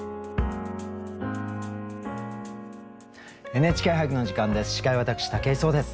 「ＮＨＫ俳句」の時間です。